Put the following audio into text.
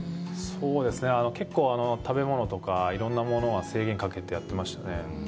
そうですね、結構、食べ物とか、いろんなものは制限をかけてやってましたね。